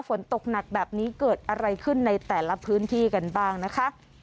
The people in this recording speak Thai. ฝนตกหนักแบบนี้เกิดอะไรขึ้นในแต่ละพื้นที่กันบ้างนะคะ